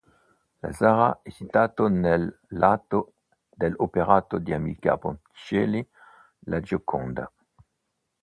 La "zara" è citata nel I atto dell'opera di Amilcare Ponchielli "La Gioconda".